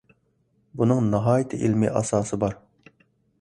بۇنىڭ ناھايىتى ئىلمىي ئاساسى بار.